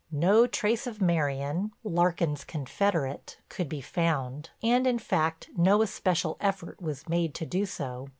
No trace of Marion, Larkin's confederate, could be found, and in fact no especial effort was made to do so.